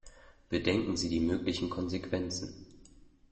Bedenken Sie die möglichen Konsequenzen.